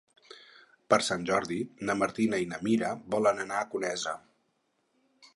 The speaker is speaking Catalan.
Per Sant Jordi na Martina i na Mira volen anar a Conesa.